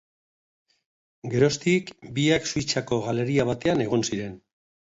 Geroztik biak Suitzako galeria batean egon ziren.